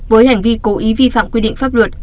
với hành vi cố ý vi phạm quy định pháp luật